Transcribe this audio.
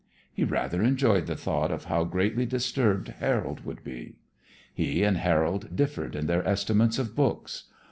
He rather enjoyed the thought of how greatly disturbed Harold would be. He and Harold differed in their estimates of books.